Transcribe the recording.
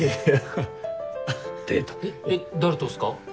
え誰とっすか？